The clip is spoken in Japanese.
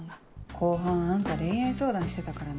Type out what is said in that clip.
後半あんた恋愛相談してたからね。